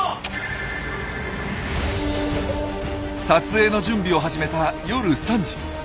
撮影の準備を始めた夜３時。